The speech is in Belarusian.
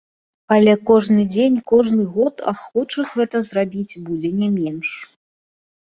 Але кожны дзень, кожны год ахвочых гэта зрабіць будзе не менш.